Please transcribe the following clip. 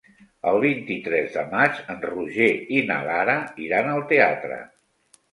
El vint-i-tres de maig en Roger i na Lara iran al teatre.